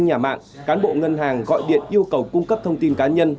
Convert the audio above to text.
nhà mạng cán bộ ngân hàng gọi điện yêu cầu cung cấp thông tin cá nhân